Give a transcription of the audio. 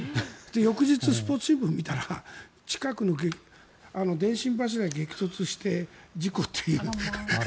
翌日、スポーツ新聞を見たら近くの電信柱に激突して事故っていう。